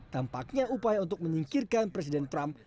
tampaknya upaya untuk menyingkirkan presiden trump